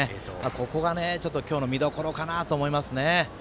ここが、今日の見どころかなと思いますね。